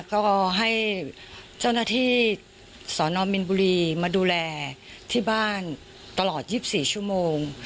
ก็ให้เจ้าหน้าที่สนมินบุรีมาดูแลที่บ้านตลอด๒๔ชั่วโมง